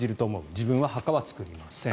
自分は墓は作りません。